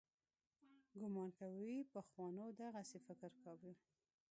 ګومان کوي پخوانو دغسې فکر کاوه.